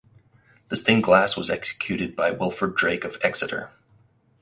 The stained glass was executed by Wilfred Drake of Exeter.